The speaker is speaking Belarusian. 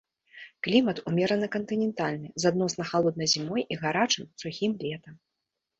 Клімат умерана-кантынентальны з адносна халоднай зімой і гарачым, сухім летам.